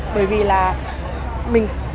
bởi vì là mình